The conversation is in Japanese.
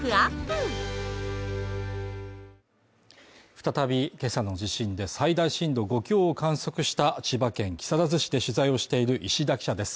再び今朝の地震で最大震度５強を観測した千葉県木更津市で取材をしている石田記者です。